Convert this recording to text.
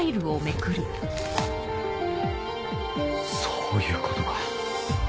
そういうことか。